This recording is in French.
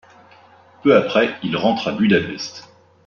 Peu après, il rentre à Budapest.